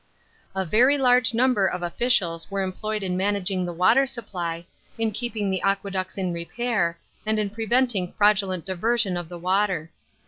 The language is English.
A very large number of officials were employed in managing the water supply, in keeping the aqueducts in repair, and in preventing fraudulent diversion of the water.